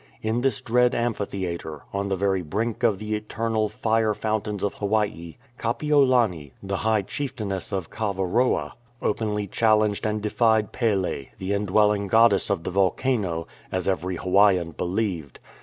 In this dread amphitheatre, on the very brink of the eternal "Fire Fountains of Hawaii," Kapiolani, the high chieftainess of Kaavaroa, openly challenged and defied Pele, the indwelling goddess of the volcano, as every Hawaiian believed.